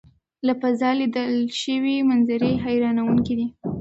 له فضا لیدل شوي منظرې حیرانوونکې دي.